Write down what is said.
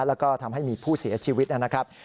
แล้วก็ทำให้มีผู้เสียชีวิตนะครับ